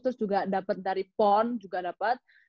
terus juga dapet dari pon juga dapet